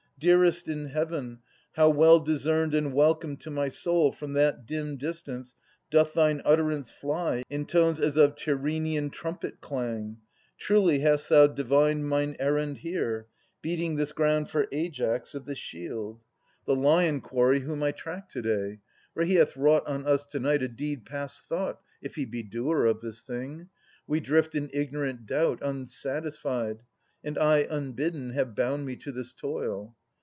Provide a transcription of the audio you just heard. Dearest in heaven. How well discerned and welcome to my soul From that dim distance doth thine utterance fly In tones as of Tyrrhenian trumpet clang ! Truly hast thou divined mine errand here. Beating this ground for Aias of the shield, 54 Atas [20 46 The lion quarry whom I track to day. For he hath wrought on us to nigljt a deed Past thought — if he be doer of this thing ; We drift in ignorant doubt, unsatisfied :— And I unbidden have bound me to this toil.